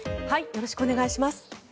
よろしくお願いします。